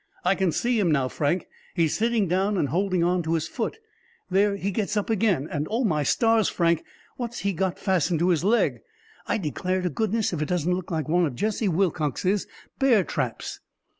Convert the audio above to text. "I can see him now, Frank! He's sitting down and holding on to his foot. There he gets up again, and oh! my stars, Frank, what's he got fastened to his leg? I declare to goodness if it doesn't look like one of Jesse Wilcox's bear traps!"